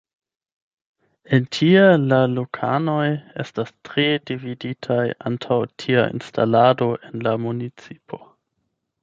El tie la lokanoj estas tre dividitaj antaŭ tia instalado en la municipo.